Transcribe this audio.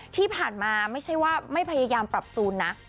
ที่ผ่านมาไม่ใช่ว่าไม่พยายามปรับซูนนะ